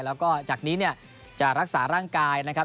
แล้วก็จากนี้เนี่ยจะรักษาร่างกายนะครับ